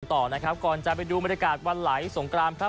ตอนก่อนจะไปดูบริการวันไหลสงครามครับ